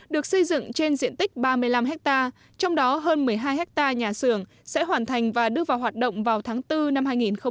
được xây dựng trên diện tích ba mươi năm hectare trong đó hơn một mươi hai ha nhà xưởng sẽ hoàn thành và đưa vào hoạt động vào tháng bốn năm hai nghìn hai mươi